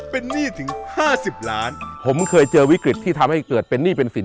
เป็นหนี้ถึง๕๐ล้านผมเคยเจอวิกฤตที่ทำให้เกิดเป็นหนี้เป็นสิน